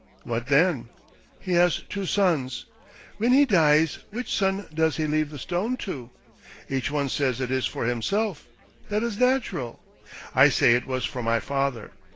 What then ? He has two sons. When he dies, which son does he leave the stone to? Each one says it is for himself — that is natural. I say it was for my father.